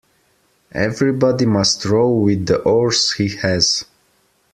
Everybody must row with the oars he has.